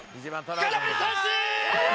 空振り三振！